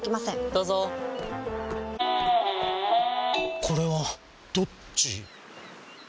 どうぞこれはどっち？